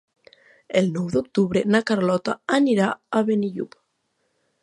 El nou d'octubre na Carlota anirà a Benillup.